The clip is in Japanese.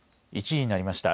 １時になりました。